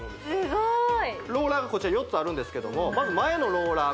スゴいローラーがこちら４つあるんですけどもまず前のローラー